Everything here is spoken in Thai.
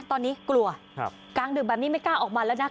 ตอนนี้กลัวกลางดึกแบบนี้ไม่กล้าออกมาแล้วนะ